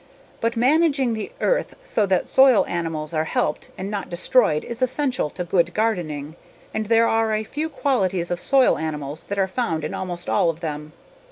But managing the earth so that soil animals are helped and not destroyed is essential to good gardening. And there are a few qualities of soil animals that are found in almost all of them.